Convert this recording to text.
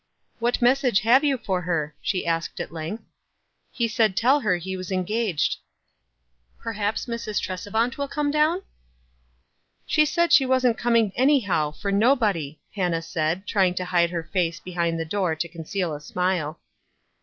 " What message have you for her ?" she asked, at length. "He said tell her he was engaged." "Perhaps Mrs. Tresevant will come down?" " She said she wasn't coming anyhow, for no body," Hannah said, trying to hide her face be hind the door to conceal a smile.